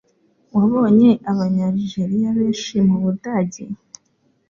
Wabonye Abanyalijeriya benshi mu Budage?